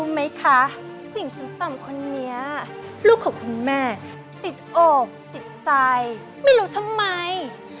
ไหมคะผู้หญิงชั้นต่ำคนนี้ลูกของคุณแม่ติดอกติดใจไม่รู้ทำไม